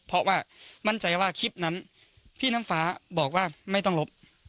เพราะว่ามั่นใจว่าคลิปนั้นพี่น้ำฟ้าบอกว่าไม่ต้องลบ